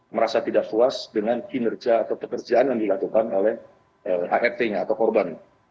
merasa tidak puas dengan kinerja atau pekerjaan yang dilakukan oleh art nya atau korban